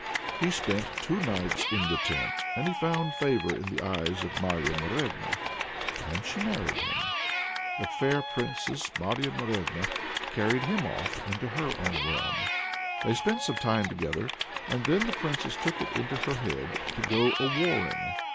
He spent two nights in the tent, and he found favor in the eyes of Marya Morevna, and she married him. The fair Princess, Marya Morevna, carried him off into her own realm. They spent some time together, and then the Princess took it into her head to go a warring.